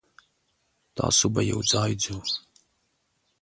تاسو به یوځای ځو.